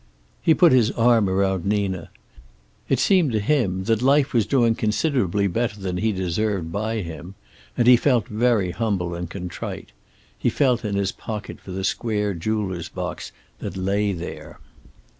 He put his arm around Nina. It seemed to him that life was doing considerably better than he deserved by him, and he felt very humble and contrite. He felt in his pocket for the square jeweler's box that lay there.